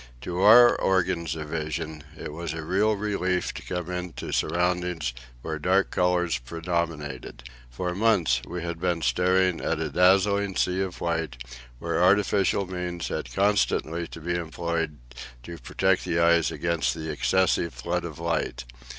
To our organs of vision it was a real relief to come into surroundings where dark colours predominated. For months we had been staring at a dazzling sea of white, where artificial means had constantly to be employed to protect the eyes against the excessive flood of light.